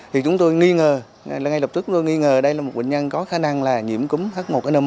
thì chúng tôi nghi ngờ là ngay lập tức tôi nghi ngờ đây là một bệnh nhân có khả năng là nhiễm cúm h một n một